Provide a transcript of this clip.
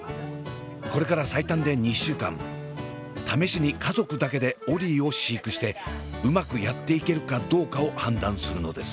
これから最短で２週間試しに家族だけでオリィを飼育してうまくやっていけるかどうかを判断するのです。